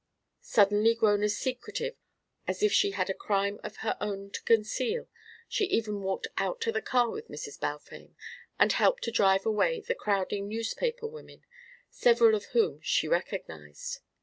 Suddenly grown as secretive as if she had a crime of her own to conceal, she even walked out to the car with Mrs. Balfame and helped to drive away the crowding newspaper women, several of whom she recognised.